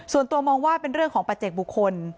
ส่วนตัวมองว่าเป็นเรื่องของประเจกบุคคล